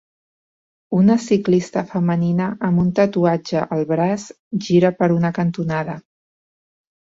Una ciclista femenina amb un tatuatge al braç gira per una cantonada.